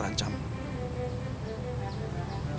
dan membiarkan anak cucu kita terancam